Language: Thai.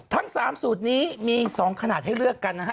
ทั้ง๓สูตรนี้มี๒ขนาดให้เลือกกันนะฮะ